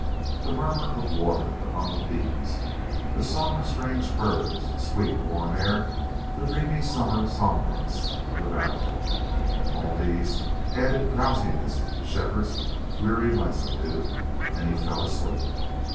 The murmur of water, the hum of bees, the songs of strange birds, the sweet, warm air, the dreamy summer somnolence of the valley all these added drowsiness to Shefford's weary lassitude, and he fell asleep.